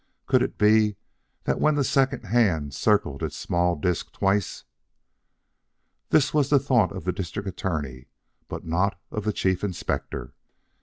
Could it be that when the second hand had circled its small disc twice This was the thought of the District Attorney, but not of the Chief Inspector.